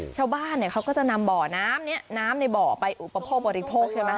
ชาวบ้านเขาก็จะนำบ่อน้ำนี้น้ำในบ่อไปอุปโภคบริโภคใช่ไหม